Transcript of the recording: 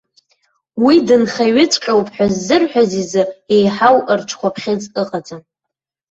Уи дынхаҩыҵәҟьоуп ҳәа ззырҳәаз изы еиҳау рҽхәаԥхьыӡ ыҟаӡам.